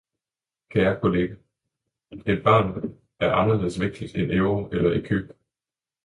Kære kolleger, et barn er anderledes vigtigt end euro eller ecu.